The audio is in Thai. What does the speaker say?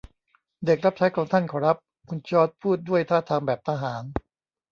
เด็กรับใช้ของท่านขอรับ คุณจอร์จพูดด้วยท่าทางแบบทหาร